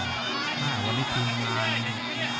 วันนี้ทุ่มงาน